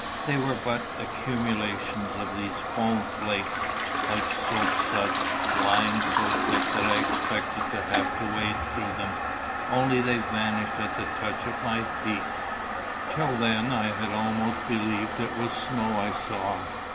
They were but accumulations of these foam flakes, like soap suds, lying so thick that I expected to have to wade through them, only they vanished at the touch of my feet. Till then I had almost believed it was snow I saw.